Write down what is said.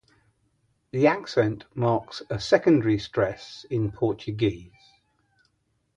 The accent marks a secondary stress in Portuguese.